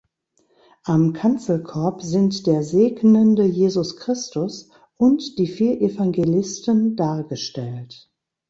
Am Kanzelkorb sind der segnende Jesus Christus und die vier Evangelisten dargestellt.